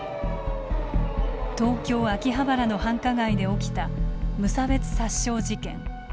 東京・秋葉原の繁華街で起きた無差別殺傷事件。